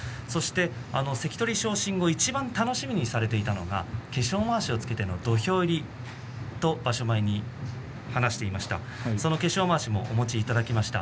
関取昇進をいちばん楽しみにされていたのが化粧まわしをつけての土俵入りと場所前に話していらっしゃいました。